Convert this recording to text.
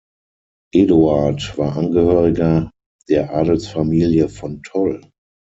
Eduard war Angehöriger der Adelsfamilie von Toll.